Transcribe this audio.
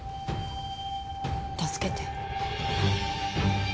助けて。